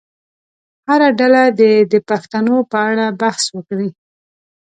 هره ډله دې د پوښتنو په اړه بحث وکړي.